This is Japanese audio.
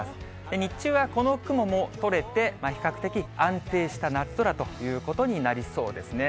日中はこの雲も取れて、比較的安定した夏空ということになりそうですね。